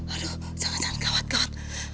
aduh jangan jangan kawat kawat